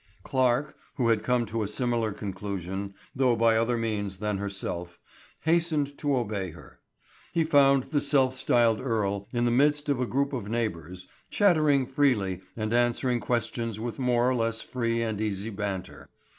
Clarke, who had come to a similar conclusion, though by other means than herself, hastened to obey her. He found the self styled Earle in the midst of the group of neighbors, chattering freely and answering questions with more or less free and easy banter.